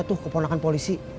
dia tuh keponakan polisi